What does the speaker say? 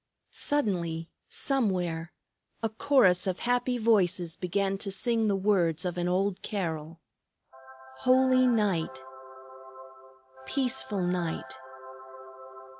Suddenly, somewhere, a chorus of happy voices began to sing the words of an old carol: "Holy night! Peaceful night!